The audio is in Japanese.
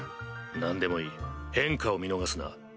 何でもいい変化を見逃すな。